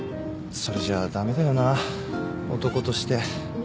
それじゃ駄目だよな男として。